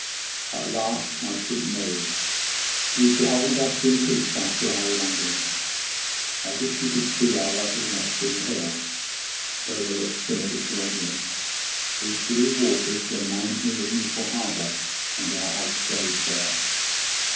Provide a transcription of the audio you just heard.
'At last, my sweet Marie, you behold us in peace after our wanderings. I wish you could see our lovely nest in the hills, which overlooks the Mediterranean, whose blue waters remind me of Newport harbour and our old days there.